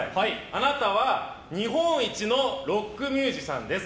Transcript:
あなたは日本一のロックミュージシャンです。